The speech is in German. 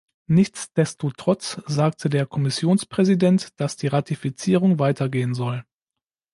Nichtsdestotrotz sagt der Kommissionspräsident, dass die Ratifizierung weitergehen soll.